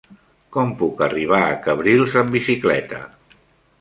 Com puc arribar a Cabrils amb bicicleta?